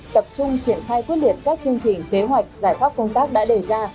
tập trung triển khai quyết liệt các chương trình kế hoạch giải pháp công tác đã đề ra